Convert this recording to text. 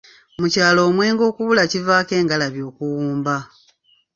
Mu kyalo omwenge okubula kivaako engalabi okuwumba.